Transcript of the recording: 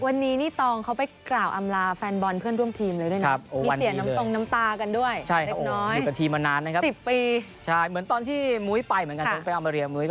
วันนี้นี่ตองเขาไปกล่าวอำลาแฟนบอลเพื่อนร่วมทีมเลยด้วยนะ